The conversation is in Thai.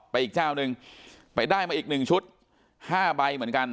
อีกเจ้านึงไปได้มาอีกหนึ่งชุด๕ใบเหมือนกัน